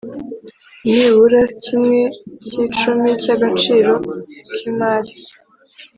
nibura kimwe cy icumi cy agaciro k imari